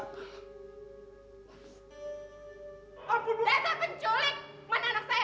kamu jangan bohong ya